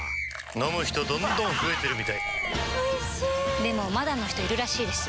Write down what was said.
飲む人どんどん増えてるみたいおいしでもまだの人いるらしいですよ